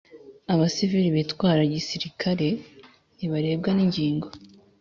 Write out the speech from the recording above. Abasiviri bitwara gisirikare ntibarebwaningingo